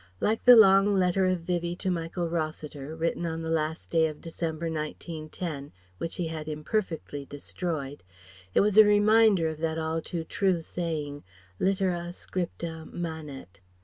Like the long letter of Vivie to Michael Rossiter, written on the last day of December, 1910, which he had imperfectly destroyed, it was a reminder of that all too true saying: "Litera scripta manet.")